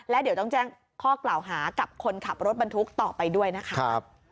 และเดี๋ยวต้องแจ้งข้อกล่าวหากับคนขับรถบรรทุกต่อไปด้วยนะคะ